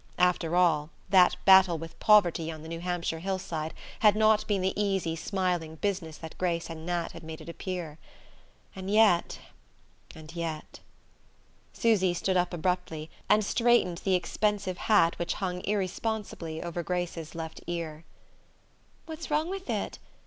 After all, that battle with poverty on the New Hampshire hillside had not been the easy smiling business that Grace and Nat had made it appear. And yet ... and yet.... Susy stood up abruptly, and straightened the expensive hat which hung irresponsibly over Grace's left ear. "What's wrong with it?